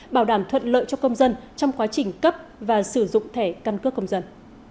bảo đảm thuận lợi cho công dân trong quá trình cấp và sử dụng thẻ căn cước công dân